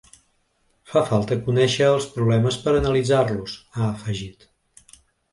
“Fa falta conèixer els problemes per a analitzar-los”, ha afegit.